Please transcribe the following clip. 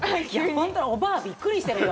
本当に、おばあびっくりしてるよ。